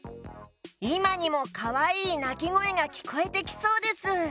いまにもかわいいなきごえがきこえてきそうです。